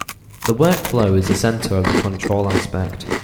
The workflow is the center of the control aspect.